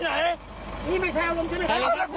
จะทำอะไรอะ